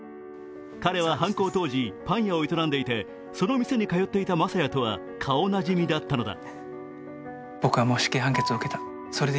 彼は犯行当時、パン屋を営んでいて、その店に通っていた雅也とは顔なじみだったのだ。